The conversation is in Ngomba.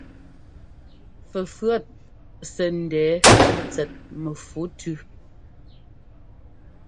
Fɛfʉ̈ɔt sɛ́ ńdɛɛ tsɛt mɛfu tʉ́.